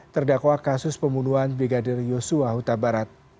terdakwa kasus pembunuhan brigadir yosua huta barat